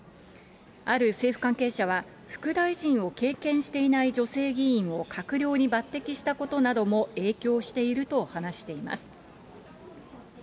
ある政府関係者は、副大臣を経験していない女性議員を閣僚に抜てきしたことなども影響していると話しています。